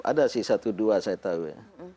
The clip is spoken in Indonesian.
ada sih satu dua saya tahu ya